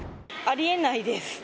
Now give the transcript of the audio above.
ありえないです。